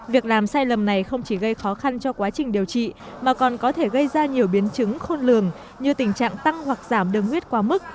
việc làm sai lầm này không chỉ gây khó khăn cho quá trình điều trị mà còn có thể gây ra nhiều biến chứng khôn lường như tình trạng tăng hoặc giảm đường huyết quá mức